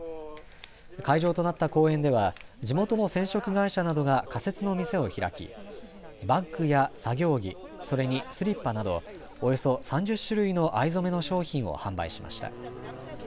会場となった公園では地元の染織会社などが仮設の店を開き、バッグや作業着、それにスリッパなどおよそ３０種類の藍染めの商品を販売しました。